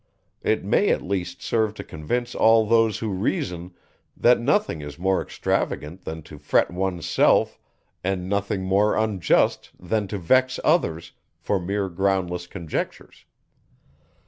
_ It may at least serve to convince all those who reason, that nothing is more extravagant than to fret one's self, and nothing more unjust than to vex others, for mere groundless conjectures.